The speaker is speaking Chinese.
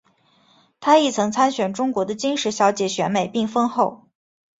她亦曾参选中国的金石小姐选美并封后。